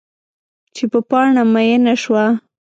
چې په پاڼه میینه شوه